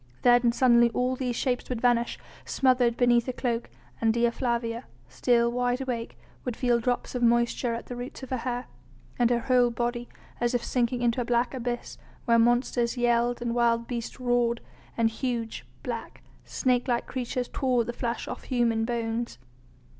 Then suddenly all these shapes would vanish, smothered beneath a cloak, and Dea Flavia, still wide awake, would feel drops of moisture at the roots of her hair, and her whole body, as if sinking into a black abyss, where monsters yelled and wild beasts roared and huge, black, snake like creatures tore the flesh off human bones.